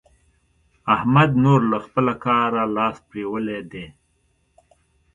احمد نور له خپله کاره لاس پرېولی دی.